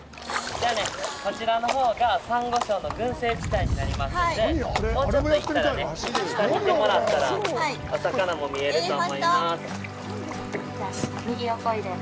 じゃあ、こちらのほうがサンゴ礁の群生地帯になりますんでもうちょっと行ったら下見てもらったらお魚も見えると思います。